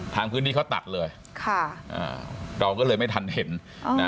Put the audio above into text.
ทางพื้นที่เขาตัดเลยค่ะอ่าเราก็เลยไม่ทันเห็นนะ